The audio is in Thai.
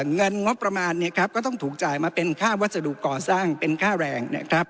เงินงบประมาณก็ต้องถูกจ่ายมาเป็นค่าวัสดุก่อสร้างเป็นค่าแรงนะครับ